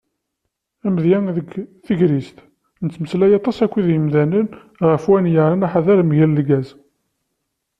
Amedya deg tegrest: Nettmeslay aṭas akked yimdanen ɣef wayen yeɛnan aḥader mgal lgaz.